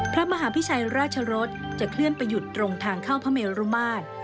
พระมหาพิชัยราชรสจะเคลื่อนไปหยุดตรงทางเข้าพระเมรุมาตร